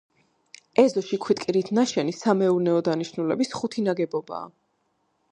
ეზოში ქვითკირით ნაშენი, სამეურნეო დანიშნულების, ხუთი ნაგებობაა.